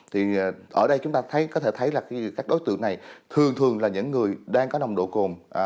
thì ở đây chúng ta thấy có thể thấy là các đối tượng này thường thường là những người đang có nồng độ cồn